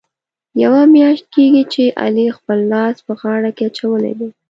یوه میاشت کېږي، چې علي خپل لاس په غاړه کې اچولی دی.